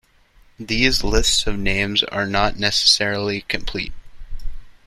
These lists of names are not necessarily complete.